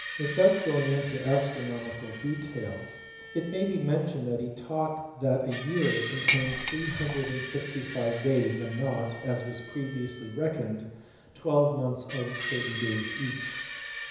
Without going into astronomical details it may be mentioned that he taught that a year contained 365 days, and not (as was previously reckoned) twelve months of thirty days each.